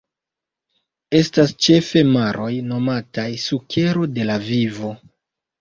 Estas ĉefe maroj nomataj sukero de la vivo.